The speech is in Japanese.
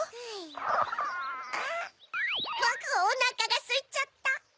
グゥボクおなかがすいちゃった。